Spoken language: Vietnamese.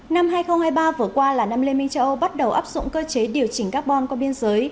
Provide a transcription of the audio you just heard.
năm hai nghìn hai mươi ba vừa qua là năm liên minh châu âu bắt đầu áp dụng cơ chế điều chỉnh carbon qua biên giới